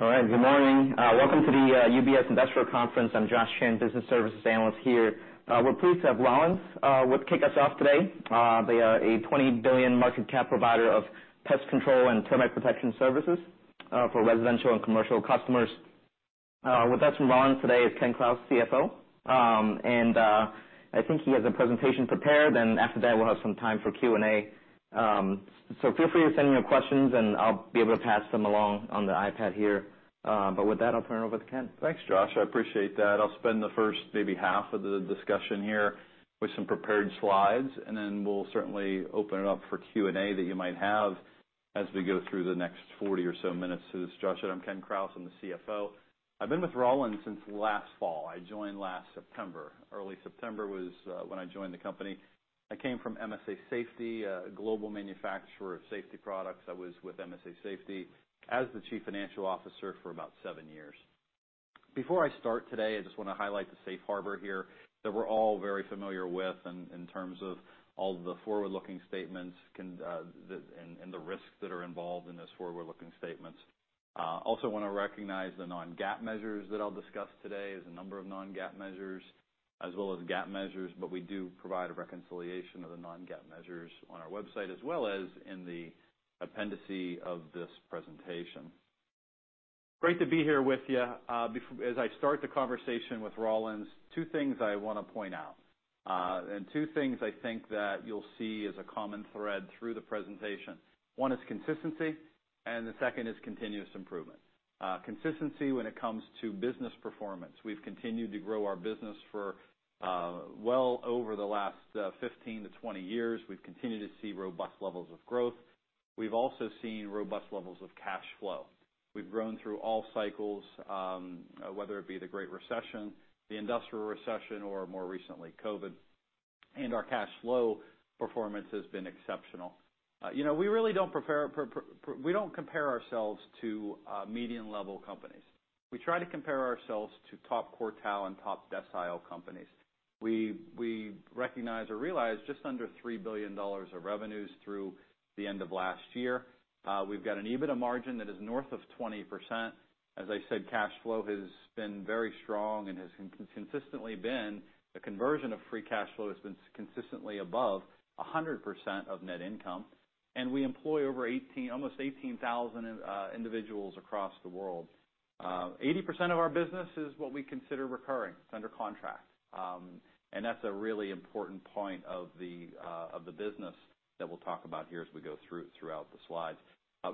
All right, good morning. Welcome to the UBS Industrial Conference. I'm Josh Chan, business services analyst here. We're pleased to have Rollins kick us off today. They are a $20 billion market cap provider of pest control and termite protection services for residential and commercial customers. With us from Rollins today is Ken Krause, CFO. I think he has a presentation prepared, and after that, we'll have some time for Q&A. Feel free to send in your questions, and I'll be able to pass them along on the iPad here. With that, I'll turn it over to Ken. Thanks, Josh. I appreciate that. I'll spend the first maybe half of the discussion here with some prepared slides, and then we'll certainly open it up for Q&A that you might have as we go through the next 40 or so minutes to this. Josh, I'm Ken Krause. I'm the CFO. I've been with Rollins since last fall. I joined last September. Early September was when I joined the company. I came from MSA Safety, a global manufacturer of safety products. I was with MSA Safety as the Chief Financial Officer for about 7 years. Before I start today, I just wanna highlight the safe harbor here, that we're all very familiar with in terms of all the forward-looking statements the, and the risks that are involved in this forward-looking statements. Also wanna recognize the non-GAAP measures that I'll discuss today. There's a number of non-GAAP measures as well as GAAP measures. We do provide a reconciliation of the non-GAAP measures on our website, as well as in the appendices of this presentation. Great to be here with you. As I start the conversation with Rollins, 2 things I want to point out, and 2 things I think that you'll see as a common thread through the presentation. 1 is consistency, and the 2nd is continuous improvement. Consistency when it comes to business performance. We've continued to grow our business for well over the last 15-20 years. We've continued to see robust levels of growth. We've also seen robust levels of cash flow. We've grown through all cycles, whether it be the Great Recession, the industrial recession, or more recently, COVID, and our cash flow performance has been exceptional. you know, we really don't compare ourselves to median-level companies. We try to compare ourselves to top quartile and top decile companies. We, we recognize or realize just under $3 billion of revenues through the end of last year. we've got an EBITDA margin that is north of 20%. As I said, cash flow has been very strong. The conversion of free cash flow has been consistently above 100% of net income, and we employ over 18, almost 18,000 individuals across the world. 80% of our business is what we consider recurring. It's under contract. and that's a really important point of the business that we'll talk about here as we go throughout the slides.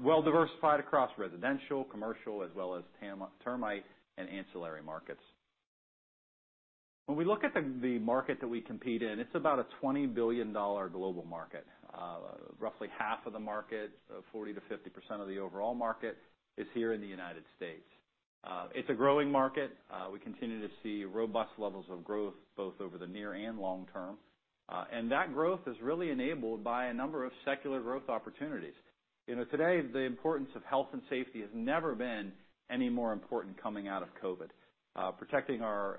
Well diversified across residential, commercial, as well as termite and ancillary markets. When we look at the market that we compete in, it's about a $20 billion global market. Roughly half of the market, 40% to 50% of the overall market is here in the United States. It's a growing market. We continue to see robust levels of growth, both over the near and long term, and that growth is really enabled by a number of secular growth opportunities. You know, today, the importance of health and safety has never been any more important coming out of COVID. Protecting our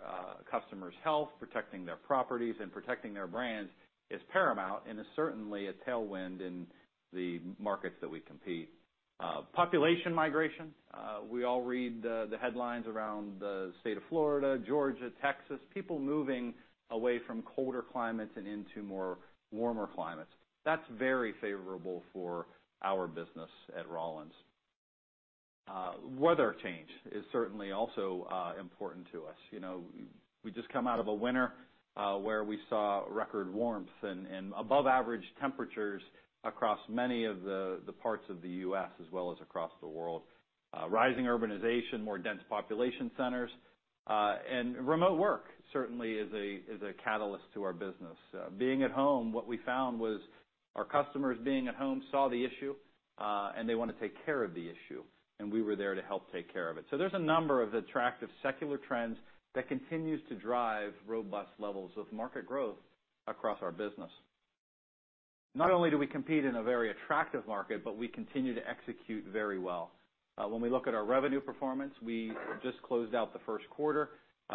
customers' health, protecting their properties, and protecting their brands is paramount, and is certainly a tailwind in the markets that we compete. Population migration, we all read the headlines around the state of Florida, Georgia, Texas, people moving away from colder climates and into more warmer climates. That's very favorable for our business at Rollins. Weather change is certainly also important to us. You know, we just come out of a winter, where we saw record warmth and above average temperatures across many of the parts of the U.S., as well as across the world. Rising urbanization, more dense population centers, and remote work certainly is a catalyst to our business. Being at home, what we found was our customers, being at home, saw the issue, and they want to take care of the issue, and we were there to help take care of it. There's a number of attractive secular trends that continues to drive robust levels of market growth across our business. Not only do we compete in a very attractive market, but we continue to execute very well. When we look at our revenue performance, we just closed out the first quarter.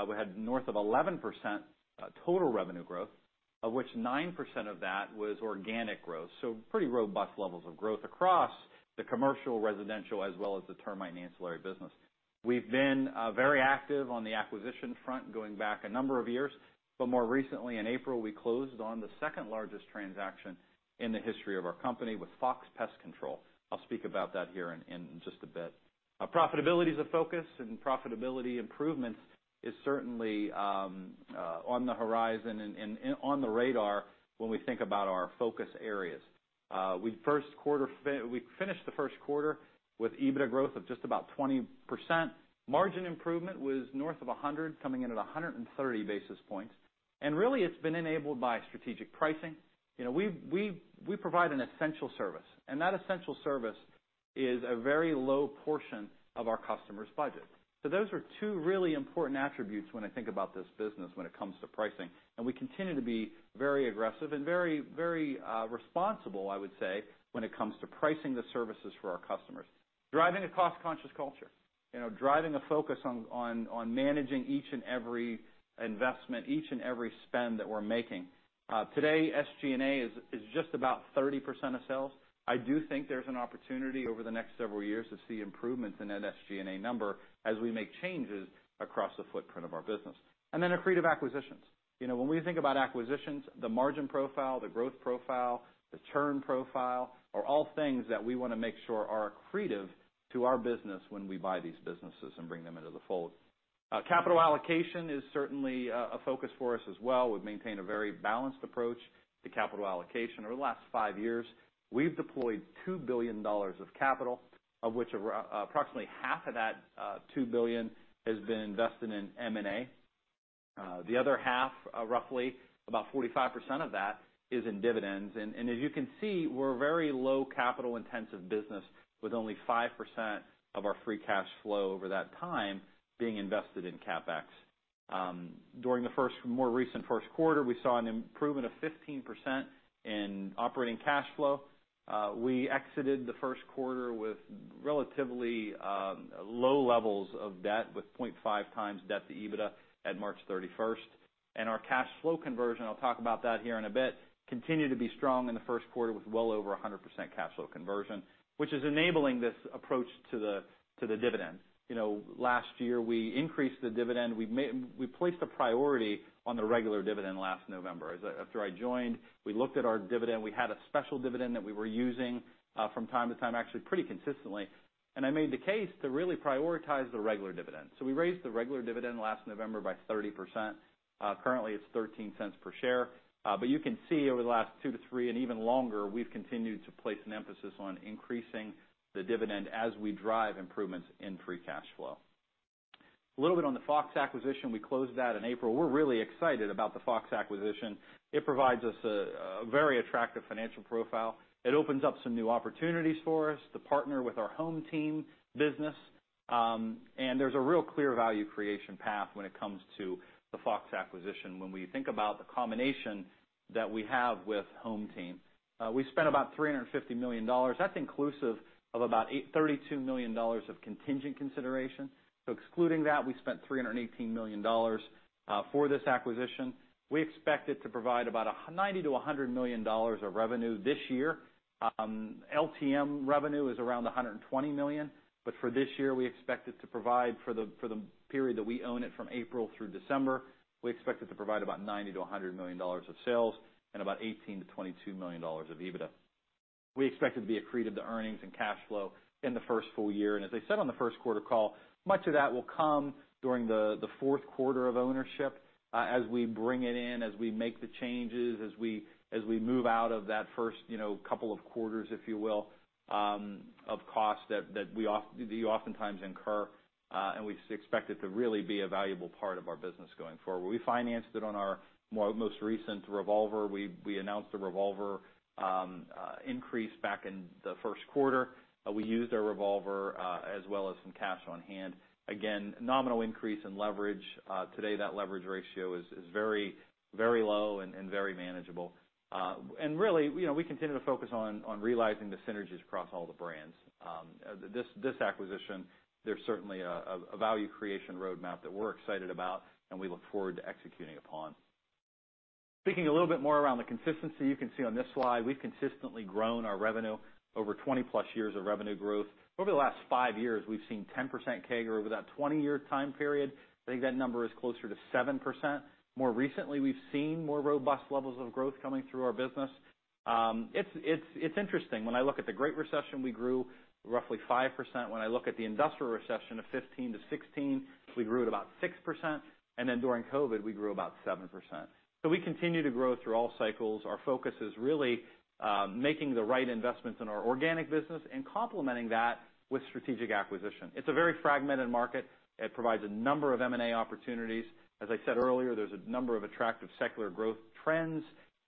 We had north of 11% total revenue growth, of which 9% of that was organic growth, so pretty robust levels of growth across the commercial, residential, as well as the termite and ancillary business. We've been very active on the acquisition front, going back a number of years, but more recently, in April, we closed on the second-largest transaction in the history of our company with Fox Pest Control. I'll speak about that here in just a bit. Our profitability is a focus, and profitability improvements is certainly on the horizon and on the radar when we think about our focus areas. We first quarter we finished the first quarter with EBITDA growth of just about 20%. Margin improvement was north of 100, coming in at 130 basis points, and really, it's been enabled by strategic pricing. You know, we provide an essential service, and that essential service is a very low portion of our customers' budget. So those are two really important attributes when I think about this business when it comes to pricing, and we continue to be very aggressive and very responsible, I would say, when it comes to pricing the services for our customers. Driving a cost-conscious culture, you know, driving a focus on managing each and every investment, each and every spend that we're making. Today, SG&A is just about 30% of sales. I do think there's an opportunity over the next several years to see improvements in that SG&A number as we make changes across the footprint of our business. Accretive acquisitions. You know, when we think about acquisitions, the margin profile, the growth profile, the churn profile, are all things that we want to make sure are accretive to our business when we buy these businesses and bring them into the fold. Capital allocation is certainly a focus for us as well. We've maintained a very balanced approach to capital allocation. Over the last five years, we've deployed $2 billion of capital, of which approximately half of that, $2 billion has been invested in M&A. The other half, roughly about 45% of that, is in dividends. As you can see, we're a very low capital-intensive business with only 5% of our free cash flow over that time being invested in CapEx. During the more recent first quarter, we saw an improvement of 15% in operating cash flow. We exited the first quarter with relatively low levels of debt, with 0.5 times debt to EBITDA at March 31st. Our cash flow conversion, I'll talk about that here in a bit, continued to be strong in the first quarter with well over 100% cash flow conversion, which is enabling this approach to the dividend. You know, last year, we increased the dividend. We placed a priority on the regular dividend last November. After I joined, we looked at our dividend. We had a special dividend that we were using from time to time, actually pretty consistently, and I made the case to really prioritize the regular dividend. We raised the regular dividend last November by 30%. Currently, it's $0.13 per share, but you can see over the last 2 to 3 and even longer, we've continued to place an emphasis on increasing the dividend as we drive improvements in free cash flow. A little bit on the Fox acquisition. We closed that in April. We're really excited about the Fox acquisition. It provides us a very attractive financial profile. It opens up some new opportunities for us to partner with our HomeTeam business. There's a real clear value creation path when it comes to the Fox acquisition when we think about the combination that we have with HomeTeam. We spent about $350 million. That's inclusive of about $32 million of contingent consideration. Excluding that, we spent $318 million for this acquisition. We expect it to provide about 90 to 100 million dollars of revenue this year. LTM revenue is around $120 million, for this year, we expect it to provide for the period that we own it, from April through December, we expect it to provide about 90 to 100 million dollars of sales and about 18 to 22 million dollars of EBITDA. We expect it to be accretive to earnings and cash flow in the first full year. As I said on the first quarter call, much of that will come during the fourth quarter of ownership, as we bring it in, as we make the changes, as we move out of that first, you know, couple of quarters, if you will, of costs that you oftentimes incur, and we expect it to really be a valuable part of our business going forward. We financed it on our most recent revolver. We announced the revolver increase back in the first quarter. We used our revolver as well as some cash on hand. Nominal increase in leverage. Today, that leverage ratio is very, very low and very manageable. Really, you know, we continue to focus on realizing the synergies across all the brands. This acquisition, there's certainly a value creation roadmap that we're excited about, and we look forward to executing upon. Speaking a little bit more around the consistency, you can see on this slide, we've consistently grown our revenue over 20-plus years of revenue growth. Over the last 5 years, we've seen 10% CAGR. Over that 20-year time period, I think that number is closer to 7%. More recently, we've seen more robust levels of growth coming through our business. It's interesting. When I look at the Great Recession, we grew roughly 5%. When I look at the industrial recession of 2015-2016, we grew at about 6%. During COVID, we grew about 7%. We continue to grow through all cycles. Our focus is really making the right investments in our organic business and complementing that with strategic acquisition. It's a very fragmented market. It provides a number of M&A opportunities. As I said earlier, there's a number of attractive secular growth trends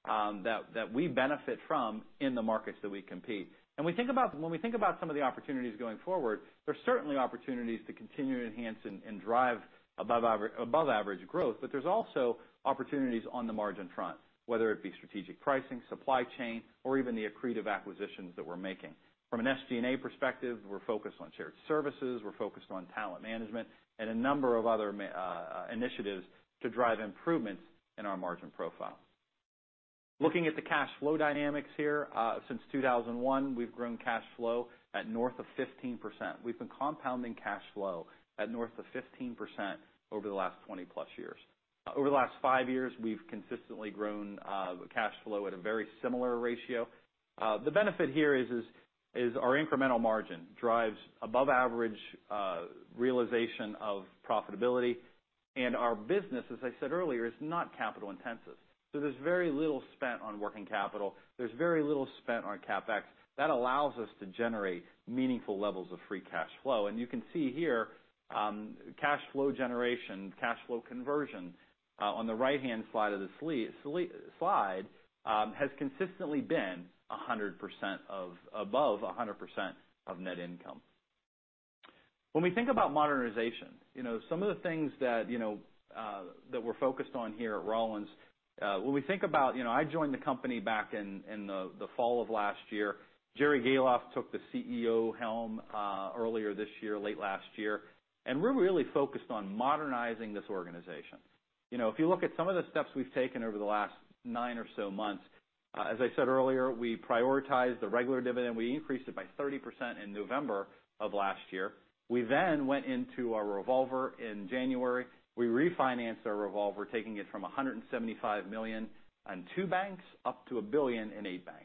that we benefit from in the markets that we compete. When we think about some of the opportunities going forward, there's certainly opportunities to continue to enhance and drive above average growth, but there's also opportunities on the margin front, whether it be strategic pricing, supply chain, or even the accretive acquisitions that we're making. From an SG&A perspective, we're focused on shared services, we're focused on talent management, and a number of other initiatives to drive improvements in our margin profile. Looking at the cash flow dynamics here, since 2001, we've grown cash flow at north of 15%. We've been compounding cash flow at north of 15% over the last 20-plus years. Over the last 5 years, we've consistently grown cash flow at a very similar ratio. The benefit here is our incremental margin drives above average realization of profitability, and our business, as I said earlier, is not capital intensive. There's very little spent on working capital. There's very little spent on CapEx. That allows us to generate meaningful levels of free cash flow. You can see here, cash flow generation, cash flow conversion, on the right-hand side of the slide, has consistently been above 100% of net income. When we think about modernization, you know, some of the things that, you know, that we're focused on here at Rollins, when we think about, you know, I joined the company back in the fall of last year. Jerry Gahlhoff took the CEO helm earlier this year, late last year, and we're really focused on modernizing this organization. You know, if you look at some of the steps we've taken over the last 9 or so months, as I said earlier, we prioritized the regular dividend. We increased it by 30% in November of last year. We then went into our revolver in January. We refinanced our revolver, taking it from $175 million on two banks, up to $1 billion in eight banks.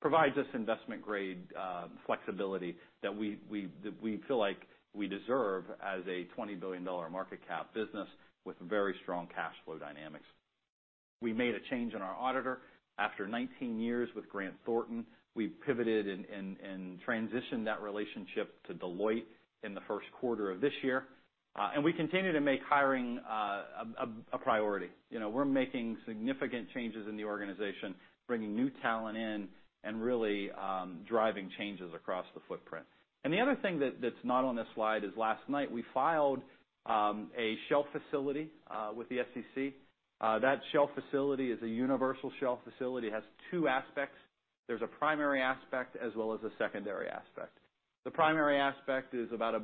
Provides us investment-grade flexibility that we feel like we deserve as a $20 billion market cap business with very strong cash flow dynamics. We made a change in our auditor. After 19 years with Grant Thornton, we pivoted and transitioned that relationship to Deloitte in the first quarter of this year. We continue to make hiring a priority. You know, we're making significant changes in the organization, bringing new talent in, and really driving changes across the footprint. The other thing that's not on this slide is last night, we filed a shelf facility with the SEC. That shelf facility is a universal shelf facility, has two aspects. There's a primary aspect as well as a secondary aspect. The primary aspect is about a,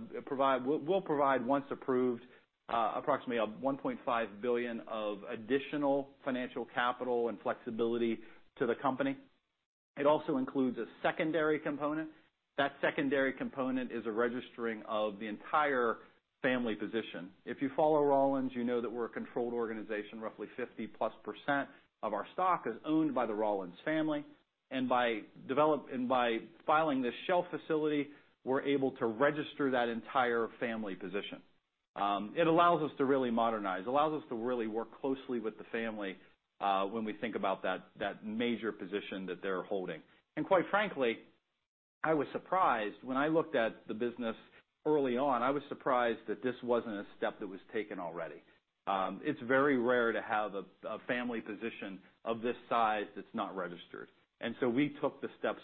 we'll provide, once approved, approximately a $1.5 billion of additional financial capital and flexibility to the company. It also includes a secondary component. The secondary component is a registering of the entire family position. If you follow Rollins, you know that we're a controlled organization. Roughly 50%+ of our stock is owned by the Rollins family, by filing this shelf facility, we're able to register that entire family position. It allows us to really modernize. It allows us to really work closely with the family, when we think about that major position that they're holding. Quite frankly, I was surprised, when I looked at the business early on, I was surprised that this wasn't a step that was taken already. It's very rare to have a family position of this size that's not registered. We took the steps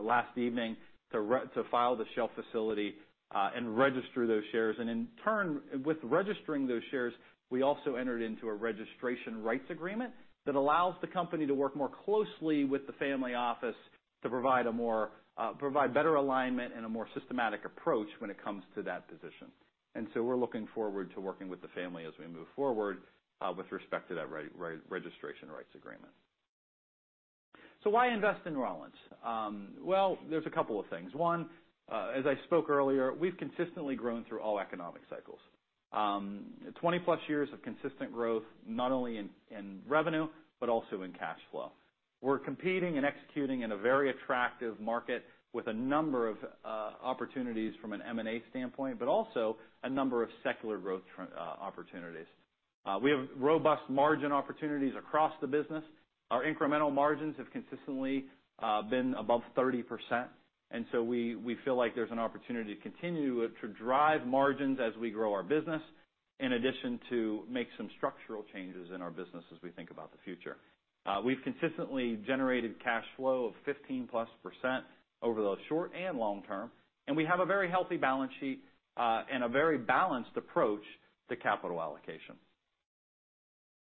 last evening to file the Shelf facility and register those shares. In turn, with registering those shares, we also entered into a registration rights agreement, that allows the company to work more closely with the family office to provide a more, provide better alignment and a more systematic approach when it comes to that position. We're looking forward to working with the family as we move forward with respect to that registration rights agreement. Why invest in Rollins? Well, there's a couple of things. One, as I spoke earlier, we've consistently grown through all economic cycles. 20+ years of consistent growth, not only in revenue, but also in cash flow. We're competing and executing in a very attractive market with a number of opportunities from an M&A standpoint, but also a number of secular growth opportunities. We have robust margin opportunities across the business. Our incremental margins have consistently been above 30%. We feel like there's an opportunity to continue to drive margins as we grow our business, in addition to make some structural changes in our business as we think about the future. We've consistently generated cash flow of 15%+ over the short and long term, and we have a very healthy balance sheet and a very balanced approach to capital allocation.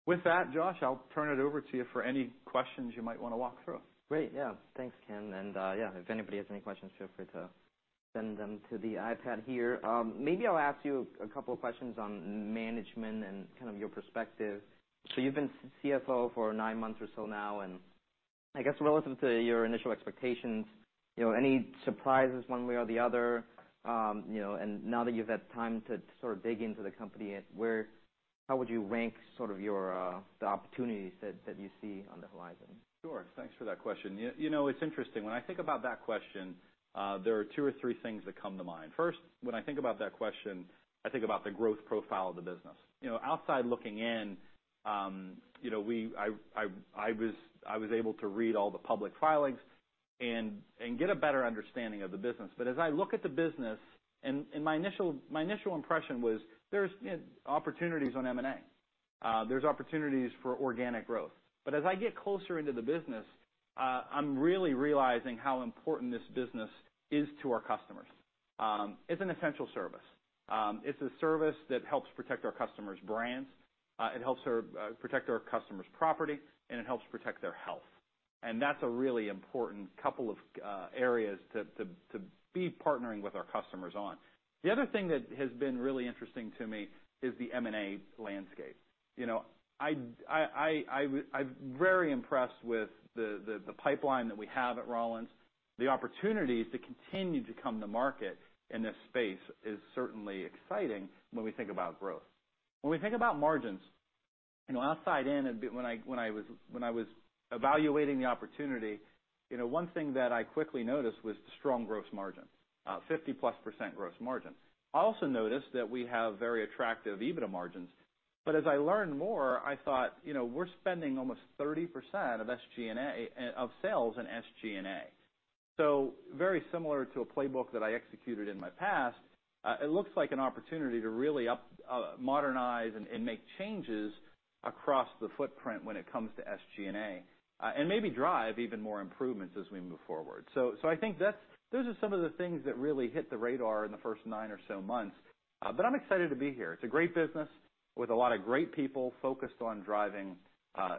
With that, Josh, I'll turn it over to you for any questions you might want to walk through. Great, yeah. Thanks, Ken. Yeah, if anybody has any questions, feel free to send them to the iPad here. Maybe I'll ask you a couple of questions on management and kind of your perspective. You've been CFO for nine months or so now, and I guess relative to your initial expectations, you know, any surprises one way or the other? You know, and now that you've had time to sort of dig into the company, how would you rank sort of your, the opportunities that you see on the horizon? Sure. Thanks for that question. You know, it's interesting, when I think about that question, there are two or three things that come to mind. First, when I think about that question, I think about the growth profile of the business. You know, outside looking in, you know, I was able to read all the public filings and get a better understanding of the business. As I look at the business, and my initial impression was, there's, you know, opportunities on M&A. There's opportunities for organic growth. As I get closer into the business, I'm really realizing how important this business is to our customers. It's an essential service. It's a service that helps protect our customers' brands, it helps protect our customers' property, and it helps protect their health. That's a really important couple of areas to be partnering with our customers on. The other thing that has been really interesting to me is the M&A landscape. You know, I'm very impressed with the pipeline that we have at Rollins. The opportunities that continue to come to market in this space is certainly exciting when we think about growth. When we think about margins, you know, outside in, a bit, when I was evaluating the opportunity, you know, one thing that I quickly noticed was the strong gross margin, 50%+ gross margin. I also noticed that we have very attractive EBITDA margins. As I learned more, I thought, you know, we're spending almost 30% of SG&A, of sales in SG&A. Very similar to a playbook that I executed in my past, it looks like an opportunity to really up, modernize and make changes across the footprint when it comes to SG&A, and maybe drive even more improvements as we move forward. I think those are some of the things that really hit the radar in the first nine or so months. I'm excited to be here. It's a great business with a lot of great people focused on driving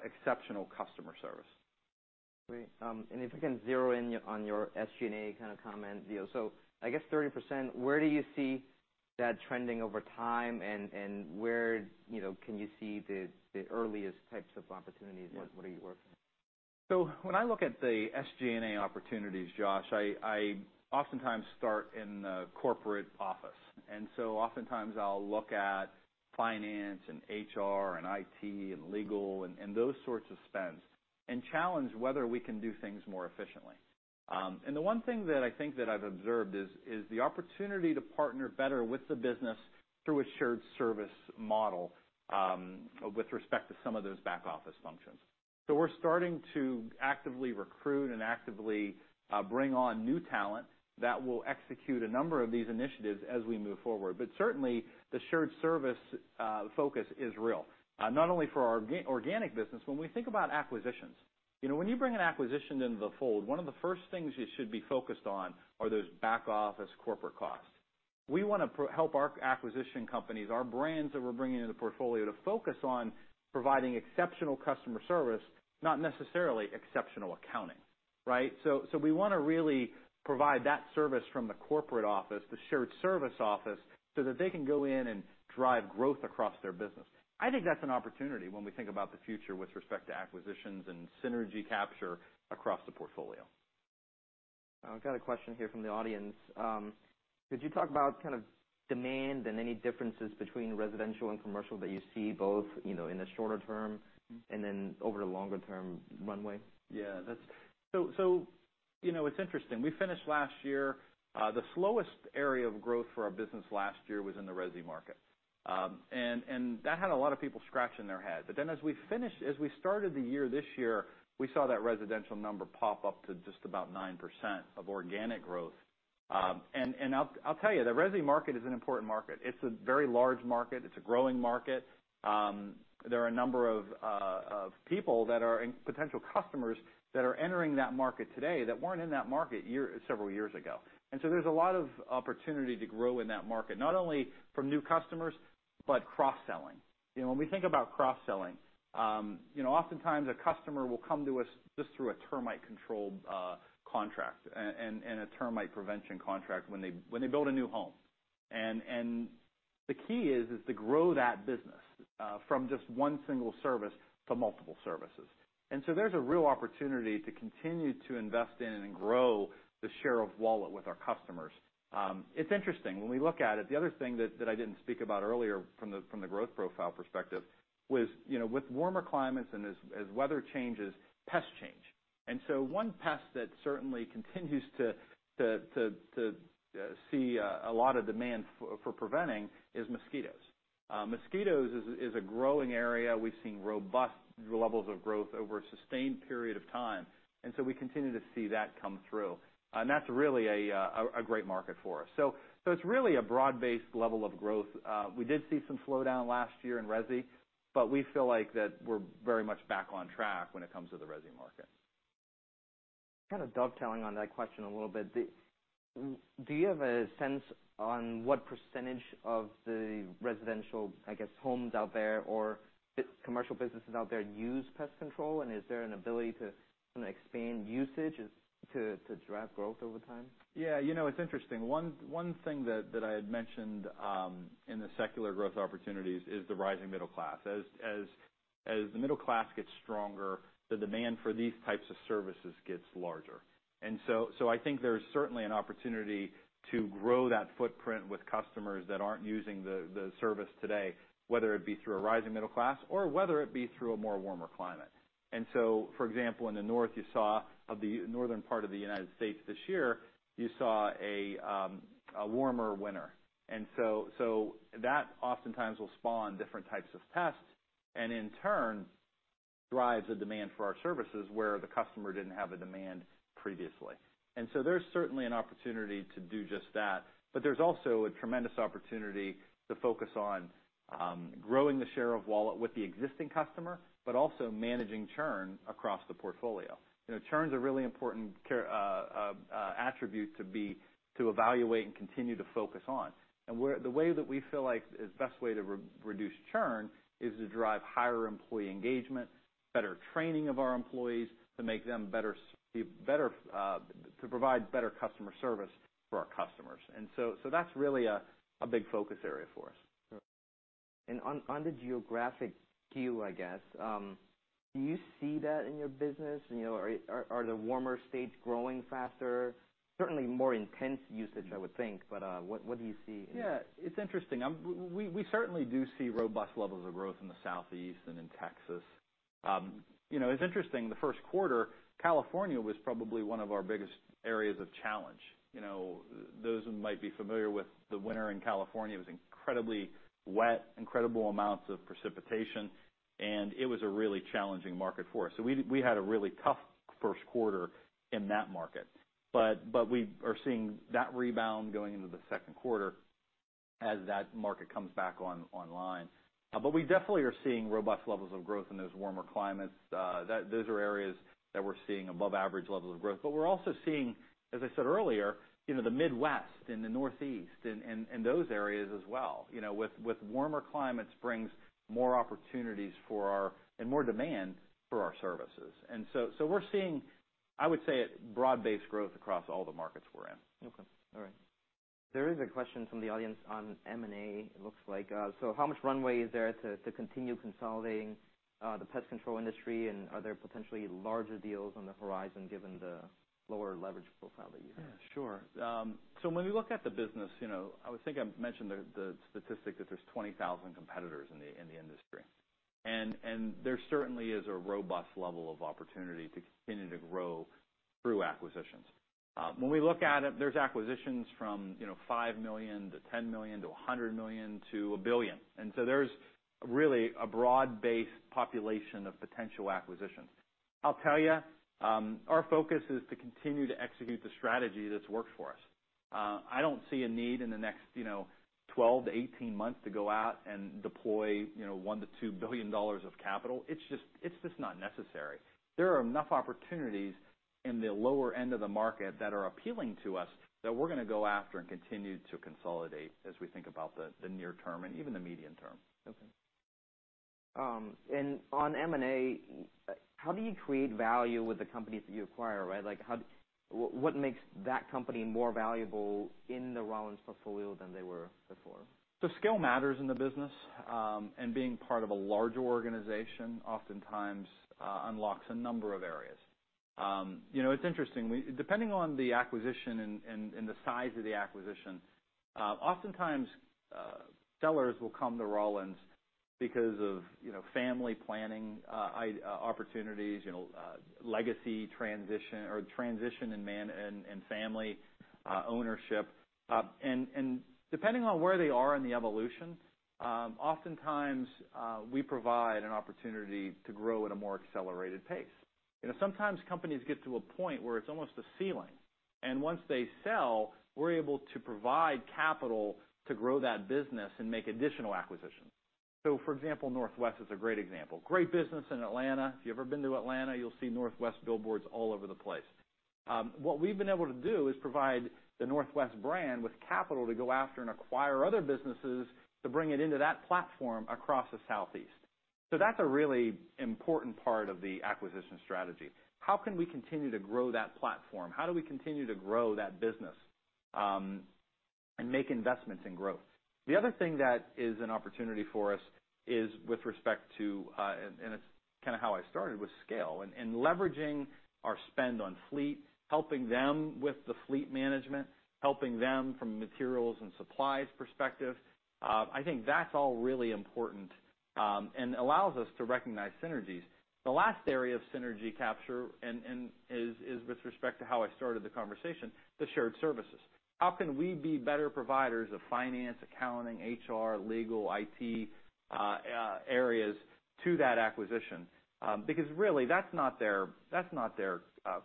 exceptional customer service. Great. If you can zero in on your SG&A kind of comment, you know. I guess 30%, where do you see that trending over time, and where, you know, can you see the earliest types of opportunities? What are you working on? When I look at the SG&A opportunities, Josh, I oftentimes start in the corporate office. Oftentimes I'll look at finance and HR and IT and legal, and those sorts of spends, and challenge whether we can do things more efficiently. The one thing that I think that I've observed is the opportunity to partner better with the business through a shared service model, with respect to some of those back office functions. We're starting to actively recruit and actively bring on new talent that will execute a number of these initiatives as we move forward. Certainly, the shared service focus is real, not only for our organic business, when we think about acquisitions. You know, when you bring an acquisition into the fold, one of the first things you should be focused on are those back office corporate costs. We want to help our acquisition companies, our brands that we're bringing into the portfolio, to focus on providing exceptional customer service, not necessarily exceptional accounting, right? We wanna really provide that service from the corporate office, the shared service office, so that they can go in and drive growth across their business. I think that's an opportunity when we think about the future with respect to acquisitions and synergy capture across the portfolio. I've got a question here from the audience. Could you talk about kind of demand and any differences between residential and commercial that you see both, you know, in the shorter term and then over the longer-term runway? You know, it's interesting. We finished last year, the slowest area of growth for our business last year was in the resi market. That had a lot of people scratching their head. As we started the year this year, we saw that residential number pop up to just about 9% of organic growth. I'll tell you, the resi market is an important market. It's a very large market. It's a growing market. There are a number of people that are, and potential customers, that are entering that market today that weren't in that market several years ago. There's a lot of opportunity to grow in that market, not only from new customers, but cross-selling. You know, when we think about cross-selling, you know, oftentimes a customer will come to us just through a termite control contract and a termite prevention contract when they build a new home. The key is to grow that business from just one single service to multiple services. There's a real opportunity to continue to invest in and grow the share of wallet with our customers. It's interesting, when we look at it, the other thing that I didn't speak about earlier from the growth profile perspective was, you know, with warmer climates and as weather changes, pests change. One pest that certainly continues to see a lot of demand for preventing is mosquitoes. Mosquitoes is a growing area. We've seen robust levels of growth over a sustained period of time, and so we continue to see that come through. That's really a great market for us. It's really a broad-based level of growth. We did see some slowdown last year in resi, but we feel like that we're very much back on track when it comes to the resi market. Kind of dovetailing on that question a little bit, do you have a sense on what % of the residential, I guess, homes out there, or commercial businesses out there use pest control? Is there an ability to kind of expand usage is, to drive growth over time? Yeah, you know, it's interesting. One thing that I had mentioned in the secular growth opportunities is the rising middle class. As the middle class gets stronger, the demand for these types of services gets larger. I think there's certainly an opportunity to grow that footprint with customers that aren't using the service today, whether it be through a rising middle class or whether it be through a more warmer climate. For example, in the northern part of the United States this year, you saw a warmer winter. That oftentimes will spawn different types of pests, and in turn, drives the demand for our services where the customer didn't have a demand previously. There's certainly an opportunity to do just that. There's also a tremendous opportunity to focus on growing the share of wallet with the existing customer, but also managing churn across the portfolio. You know, churn's a really important attribute to be, to evaluate and continue to focus on. The way that we feel like is the best way to reduce churn is to drive higher employee engagement, better training of our employees, to make them better to provide better customer service for our customers. That's really a big focus area for us. On the geographic queue, I guess, do you see that in your business? You know, are the warmer states growing faster? Certainly more intense usage, I would think, but, what do you see? Yeah, it's interesting. We certainly do see robust levels of growth in the Southeast and in Texas. You know, it's interesting, the first quarter, California was probably one of our biggest areas of challenge. You know, those who might be familiar with the winter in California, it was incredibly wet, incredible amounts of precipitation, and it was a really challenging market for us. We had a really tough first quarter in that market. We are seeing that rebound going into the second quarter as that market comes back online. We definitely are seeing robust levels of growth in those warmer climates. Those are areas that we're seeing above average levels of growth. We're also seeing, as I said earlier, you know, the Midwest and the Northeast and those areas as well. You know, with warmer climates brings more opportunities and more demand for our services. We're seeing, I would say, broad-based growth across all the markets we're in. Okay, all right. There is a question from the audience on M&A, it looks like. How much runway is there to continue consolidating the pest control industry? Are there potentially larger deals on the horizon given the lower leverage profile that you have? Yeah, sure. When we look at the business, you know, I would think I mentioned the statistic that there's 20,000 competitors in the industry. There certainly is a robust level of opportunity to continue to grow through acquisitions. When we look at it, there's acquisitions from, you know, $5 million to $10 million to $100 million to $1 billion. There's really a broad-based population of potential acquisitions. I'll tell you, our focus is to continue to execute the strategy that's worked for us. I don't see a need in the next, you know, 12 to 18 months to go out and deploy, you know, $1 billion-$2 billion of capital. It's just not necessary. There are enough opportunities in the lower end of the market that are appealing to us, that we're gonna go after and continue to consolidate as we think about the near term and even the medium term. Okay. On M&A, how do you create value with the companies that you acquire, right? Like, what makes that company more valuable in the Rollins portfolio than they were before? Scale matters in the business, and being part of a larger organization, oftentimes, unlocks a number of areas. You know, it's interesting. Depending on the acquisition and the size of the acquisition, oftentimes, sellers will come to Rollins because of, you know, family planning, opportunities, you know, legacy transition or transition in and family, ownership. Depending on where they are in the evolution, oftentimes, we provide an opportunity to grow at a more accelerated pace. You know, sometimes companies get to a point where it's almost a ceiling, and once they sell, we're able to provide capital to grow that business and make additional acquisitions. For example, Northwest is a great example. Great business in Atlanta. If you've ever been to Atlanta, you'll see Northwest billboards all over the place. What we've been able to do is provide the Northwest brand with capital to go after and acquire other businesses to bring it into that platform across the Southeast. That's a really important part of the acquisition strategy: How can we continue to grow that platform? How do we continue to grow that business, and make investments in growth? The other thing that is an opportunity for us is with respect to, and it's kind of how I started, with scale. Leveraging our spend on fleet, helping them with the fleet management, helping them from a materials and supplies perspective, I think that's all really important, and allows us to recognize synergies. The last area of synergy capture and is with respect to how I started the conversation, the shared services. How can we be better providers of finance, accounting, HR, legal, IT, areas to that acquisition? Really, that's not their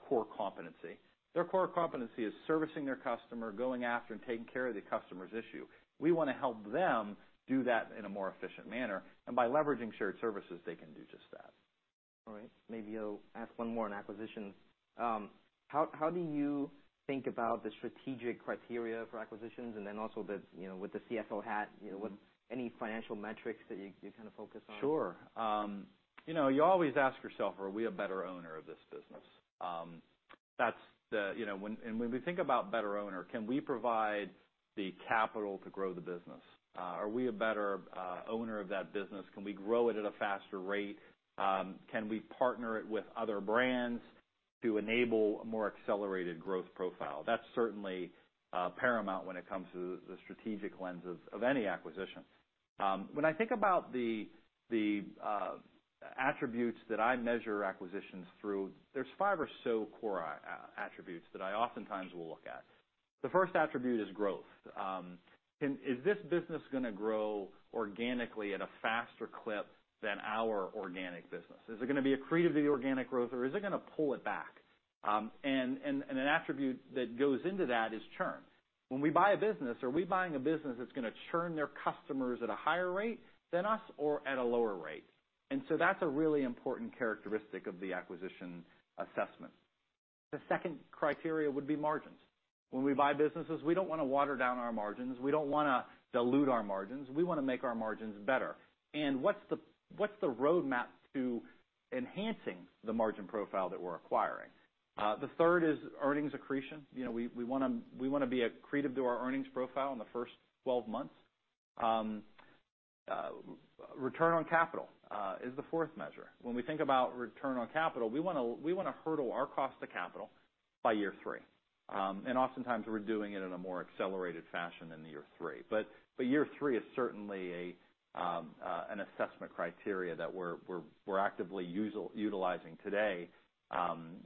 core competency. Their core competency is servicing their customer, going after and taking care of the customer's issue. We wanna help them do that in a more efficient manner, and by leveraging shared services, they can do just that. All right. Maybe I'll ask one more on acquisitions. how do you think about the strategic criteria for acquisitions? Then also the, you know, with the CFO hat, you know, any financial metrics that you kind of focus on? Sure. You know, you always ask yourself, are we a better owner of this business? That's the. You know, when we think about better owner, can we provide the capital to grow the business? Are we a better owner of that business? Can we grow it at a faster rate? Can we partner it with other brands to enable a more accelerated growth profile? That's certainly paramount when it comes to the strategic lens of any acquisition. When I think about the attributes that I measure acquisitions through, there's five or so core attributes that I oftentimes will look at. The first attribute is growth. Is this business gonna grow organically at a faster clip than our organic business? Is it gonna be accretive to the organic growth, or is it gonna pull it back? An attribute that goes into that is churn. When we buy a business, are we buying a business that's gonna churn their customers at a higher rate than us or at a lower rate? That's a really important characteristic of the acquisition assessment. The second criteria would be margins. When we buy businesses, we don't wanna water down our margins, we don't wanna dilute our margins. We wanna make our margins better. What's the, what's the roadmap to enhancing the margin profile that we're acquiring? The third is earnings accretion. You know, we wanna be accretive to our earnings profile in the first 12 months. Return on capital is the fourth measure. When we think about return on capital, we wanna hurdle our cost to capital by year 3. Oftentimes, we're doing it in a more accelerated fashion than the year 3. Year 3 is certainly an assessment criteria that we're actively utilizing today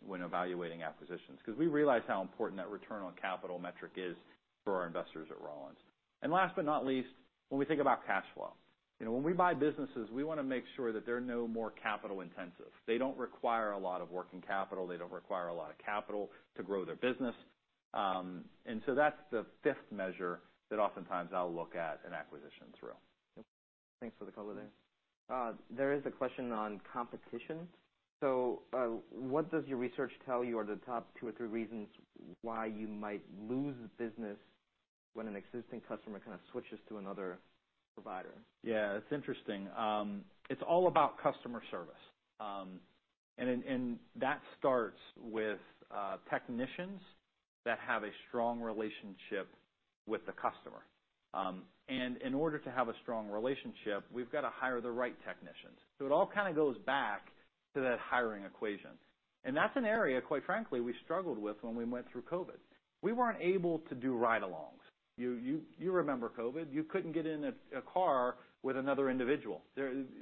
when evaluating acquisitions. 'Cause we realize how important that return on capital metric is for our investors at Rollins. Last but not least... when we think about cash flow. You know, when we buy businesses, we want to make sure that they're no more capital intensive. They don't require a lot of working capital, they don't require a lot of capital to grow their business. So that's the fifth measure that oftentimes I'll look at in acquisition through. Thanks for the color there. There is a question on competition. What does your research tell you are the top two or three reasons why you might lose business when an existing customer kind of switches to another provider? Yeah, it's interesting. It's all about customer service. and that starts with technicians that have a strong relationship with the customer. and in order to have a strong relationship, we've got to hire the right technicians. It all kind of goes back to that hiring equation. That's an area, quite frankly, we struggled with when we went through COVID. We weren't able to do ride-alongs. You remember COVID. You couldn't get in a car with another individual.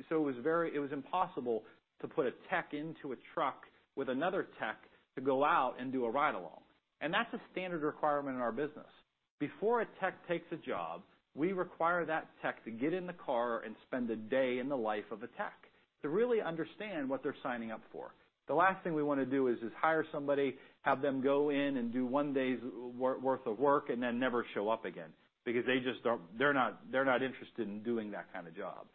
So it was impossible to put a tech into a truck with another tech to go out and do a ride-along. That's a standard requirement in our business. Before a tech takes a job, we require that tech to get in the car and spend a day in the life of a tech to really understand what they're signing up for. The last thing we want to do is just hire somebody, have them go in and do one day's worth of work, and then never show up again because they just don't, they're not interested in doing that kind of job.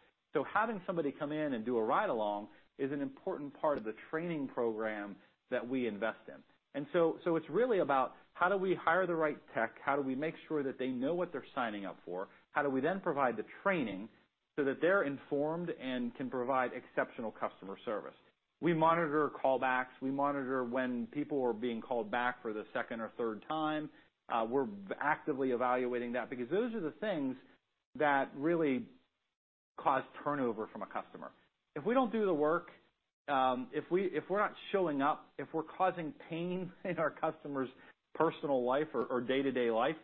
Having somebody come in and do a ride-along is an important part of the training program that we invest in. It's really about how do we hire the right tech? How do we make sure that they know what they're signing up for? How do we then provide the training so that they're informed and can provide exceptional customer service? We monitor callbacks, we monitor when people are being called back for the second or third time. We're actively evaluating that because those are the things that really cause turnover from a customer. If we don't do the work, if we're not showing up, if we're causing pain in our customer's personal life or day-to-day life,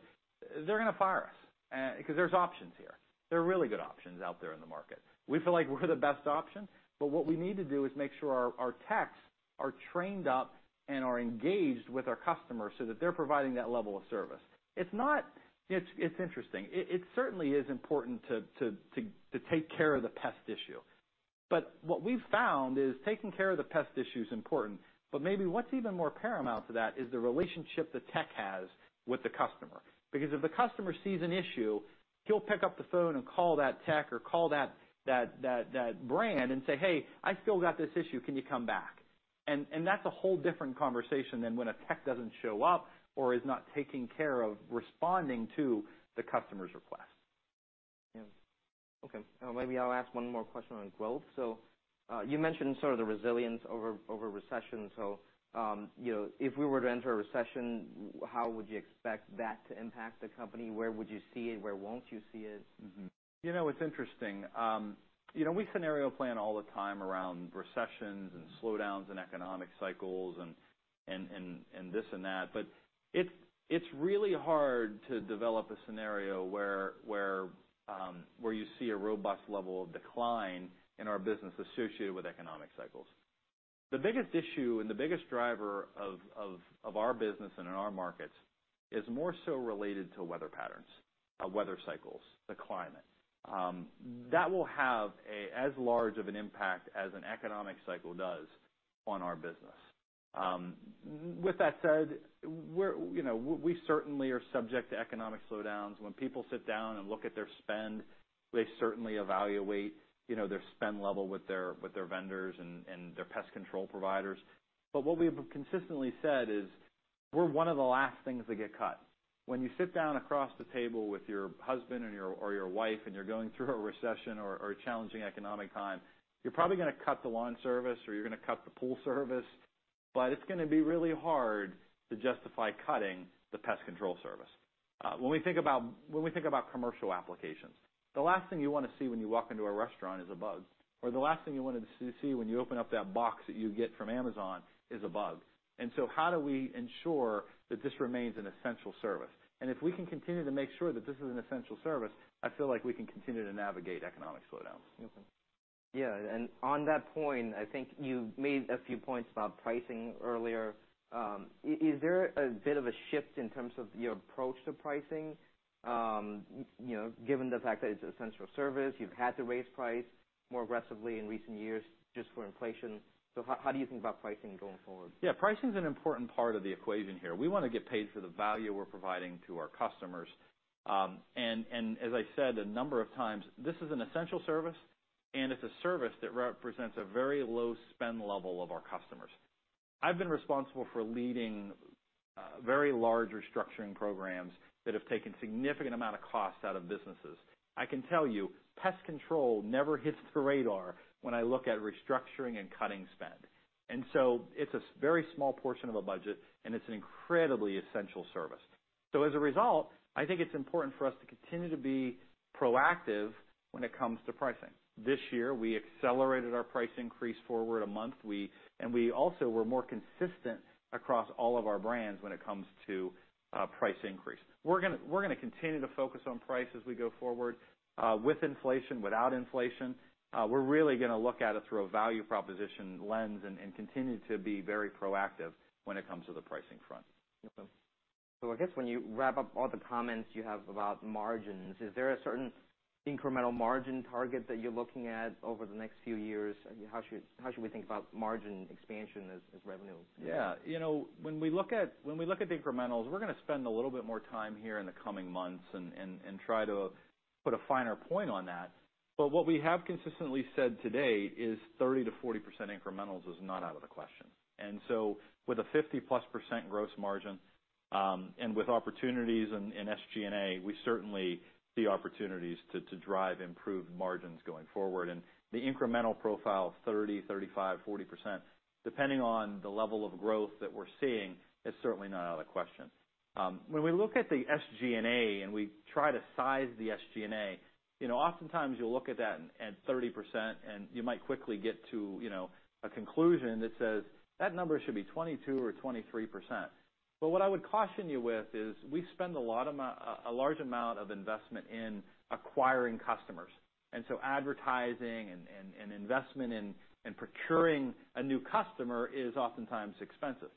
they're gonna fire us because there's options here. There are really good options out there in the market. We feel like we're the best option, what we need to do is make sure our techs are trained up and are engaged with our customers so that they're providing that level of service. It's interesting. It certainly is important to take care of the pest issue. What we've found is taking care of the pest issue is important, but maybe what's even more paramount to that is the relationship the tech has with the customer. If the customer sees an issue, he'll pick up the phone and call that tech or call that brand and say, "Hey, I still got this issue, can you come back?" That's a whole different conversation than when a tech doesn't show up or is not taking care of responding to the customer's request. Yeah. Okay, maybe I'll ask one more question on growth. You mentioned sort of the resilience over recession. You know, if we were to enter a recession, how would you expect that to impact the company? Where would you see it? Where won't you see it? You know, it's interesting. You know, we scenario plan all the time around recessions and slowdowns and economic cycles and this and that, but it's really hard to develop a scenario where you see a robust level of decline in our business associated with economic cycles. The biggest issue and the biggest driver of our business and in our markets is more so related to weather patterns, weather cycles, the climate. That will have as large of an impact as an economic cycle does on our business. With that said, we're, you know, we certainly are subject to economic slowdowns. When people sit down and look at their spend, they certainly evaluate, you know, their spend level with their, with their vendors and their pest control providers. What we've consistently said is, we're one of the last things to get cut. When you sit down across the table with your husband or your wife, and you're going through a recession or a challenging economic time, you're probably gonna cut the lawn service, or you're gonna cut the pool service, but it's gonna be really hard to justify cutting the pest control service. When we think about commercial applications, the last thing you want to see when you walk into a restaurant is a bug, or the last thing you wanted to see when you open up that box that you get from Amazon is a bug. How do we ensure that this remains an essential service? If we can continue to make sure that this is an essential service, I feel like we can continue to navigate economic slowdowns. Okay. Yeah, and on that point, I think you made a few points about pricing earlier. Is there a bit of a shift in terms of your approach to pricing? You know, given the fact that it's an essential service, you've had to raise price more aggressively in recent years just for inflation. How do you think about pricing going forward? Yeah, pricing is an important part of the equation here. We want to get paid for the value we're providing to our customers. As I said a number of times, this is an essential service, and it's a service that represents a very low spend level of our customers. I've been responsible for leading very large restructuring programs that have taken significant amount of costs out of businesses. I can tell you, pest control never hits the radar when I look at restructuring and cutting spend. It's a very small portion of a budget, and it's an incredibly essential service. As a result, I think it's important for us to continue to be proactive when it comes to pricing. This year, we accelerated our price increase forward a month. We also were more consistent across all of our brands when it comes to price increase. We're gonna continue to focus on price as we go forward with inflation, without inflation. We're really gonna look at it through a value proposition lens and continue to be very proactive when it comes to the pricing front. I guess when you wrap up all the comments you have about margins, is there a incremental margin target that you're looking at over the next few years, and how should we think about margin expansion as revenue? You know, when we look at, when we look at the incrementals, we're gonna spend a little bit more time here in the coming months and try to put a finer point on that. What we have consistently said to date is 30%-40% incrementals is not out of the question. With a 50%+ gross margin, and with opportunities in SG&A, we certainly see opportunities to drive improved margins going forward. The incremental profile of 30%, 35%, 40%, depending on the level of growth that we're seeing, is certainly not out of the question. When we look at the SG&A and we try to size the SG&A, you know, oftentimes, you'll look at that at 30%, and you might quickly get to, you know, a conclusion that says, "That number should be 22% or 23%." What I would caution you with is, we spend a large amount of investment in acquiring customers. Advertising and investment in procuring a new customer is oftentimes expensive.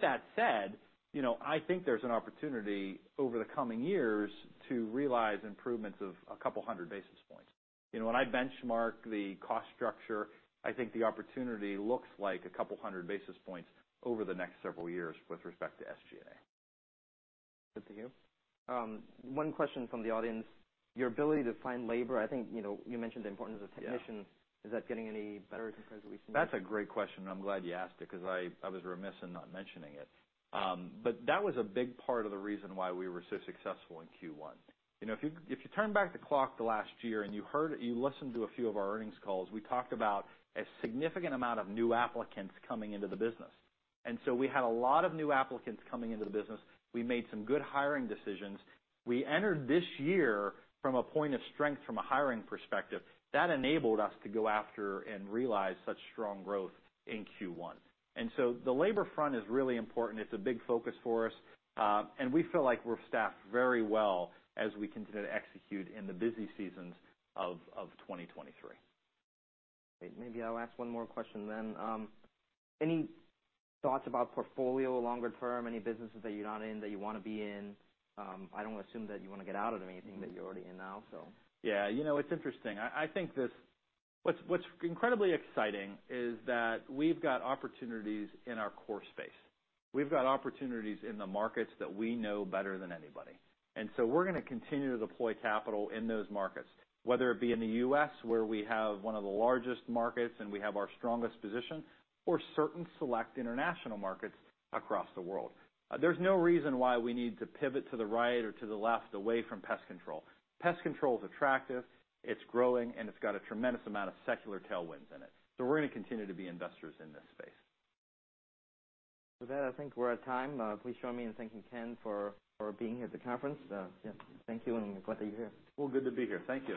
That said, you know, I think there's an opportunity over the coming years to realize improvements of a couple hundred basis points. You know, when I benchmark the cost structure, I think the opportunity looks like a couple hundred basis points over the next several years with respect to SG&A. Good to hear. One question from the audience: Your ability to find labor, I think, you know, you mentioned the importance of. Yeah. Is that getting any better compared to recent years? That's a great question, and I'm glad you asked it, 'cause I was remiss in not mentioning it. That was a big part of the reason why we were so successful in Q1. You know, if you, if you turn back the clock the last year and you listened to a few of our earnings calls, we talked about a significant amount of new applicants coming into the business. We had a lot of new applicants coming into the business. We made some good hiring decisions. We entered this year from a point of strength from a hiring perspective. That enabled us to go after and realize such strong growth in Q1. The labor front is really important. It's a big focus for us, and we feel like we're staffed very well as we continue to execute in the busy seasons of 2023. Great. Maybe I'll ask one more question then. Any thoughts about portfolio longer term? Any businesses that you're not in, that you wanna be in? I don't assume that you wanna get out of anything that you're already in now, so. Yeah, you know, it's interesting. I think what's incredibly exciting is that we've got opportunities in our core space. We've got opportunities in the markets that we know better than anybody. We're gonna continue to deploy capital in those markets, whether it be in the U.S., where we have one of the largest markets, and we have our strongest position, or certain select international markets across the world. There's no reason why we need to pivot to the right or to the left, away from pest control. Pest control is attractive, it's growing, and it's got a tremendous amount of secular tailwinds in it. We're gonna continue to be investors in this space. With that, I think we're at time. Please join me in thanking Ken for being at the conference. Yeah, thank you. We're glad that you're here. Well, good to be here. Thank you.